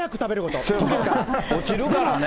落ちるからね。